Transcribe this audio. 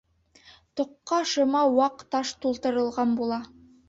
Тоҡҡа шыма ваҡ таш тултырылған була.